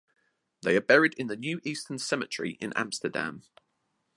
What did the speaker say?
They are buried in the New Eastern Cemetery in Amsterdam.